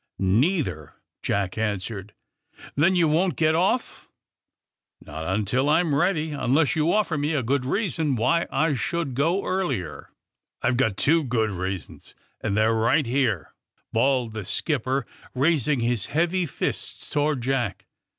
^^ Neither," Jack answered. '* Then you won 't get off !" *^Not until I'm ready, unless you offer me a good reason why I should go earlier." ^^I've two good reasons, and they're right here !'' bawled the skipper, raising his heavy fists towards Jack.